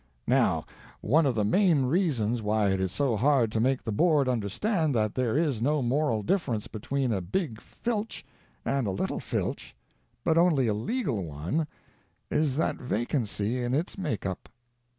Now, one of the main reasons why it is so hard to make the Board understand that there is no moral difference between a big filch and a little filch, but only a legal one, is that vacancy in its make up.